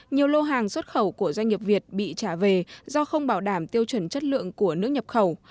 nhiều lô hàng xuất khẩu của doanh nghiệp việt bị trả về do không bảo đảm tiêu chuẩn chất lượng của nước nhập khẩu